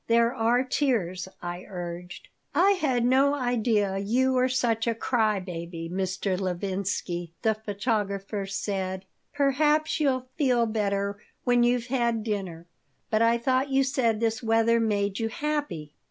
There are tears," I urged "I had no idea you were such a cry baby, Mr. Levinsky," the photographer said. "Perhaps you'll feel better when you've had dinner. But I thought you said this weather made you happy."